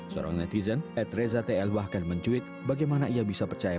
seorang netizen ed reza tl bahkan mencuit bagaimana ia bisa percaya